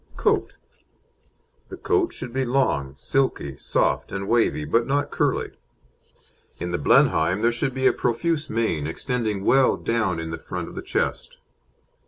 COAT The coat should be long, silky, soft and wavy, but not curly. In the Blenheim there should be a profuse mane, extending well down in the front of the chest.